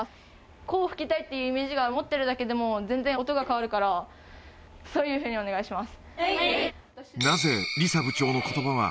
こう吹きたいっていうイメージを持ってるだけでも全然音が変わるから、そういうふうにお願いします。